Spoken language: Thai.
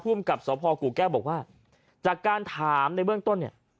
กับสพกู่แก้วบอกว่าจากการถามในเบื้องต้นเนี่ย